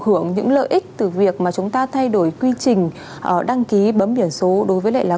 có thể nhận được những lợi ích từ việc mà chúng ta thay đổi quy trình đăng ký bấm biển số đối với lại là